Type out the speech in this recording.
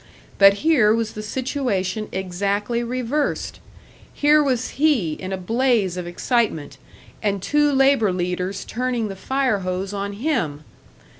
But here was the situation exactly reversed! Here was he in a blaze of excitement and two labour leaders turning the fire hose on him!